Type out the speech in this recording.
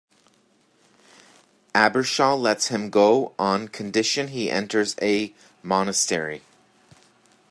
Abbershaw lets him go, on condition he enters a monastery.